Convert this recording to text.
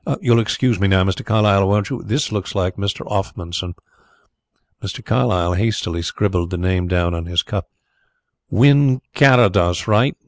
You'll excuse me now, Mr. Carlyle, won't you? This looks like Mr. Offmunson." Mr. Carlyle hastily scribbled the name down on his cuff. "Wynn Carrados, right.